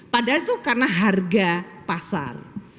padahal itu karena harga pasar